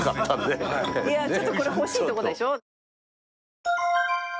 ちょっとこれ欲しいとこでしょ。